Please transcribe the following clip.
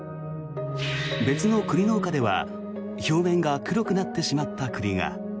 別の栗農家では表面が黒くなってしまった栗が。